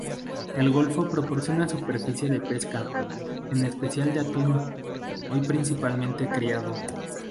El golfo proporciona suficiente pesca, en especial de atún, hoy principalmente criado.